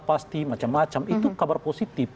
pasti macam macam itu kabar positif